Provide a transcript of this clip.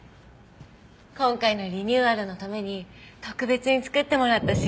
今回のリニューアルのために特別に作ってもらった刺繍。